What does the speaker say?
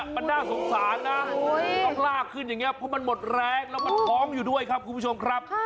มันน่าสงสารนะต้องลากขึ้นอย่างนี้เพราะมันหมดแรงแล้วมันท้องอยู่ด้วยครับคุณผู้ชมครับ